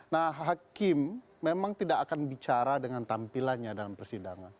nah hakim memang tidak akan bicara dengan tampilannya dalam persidangan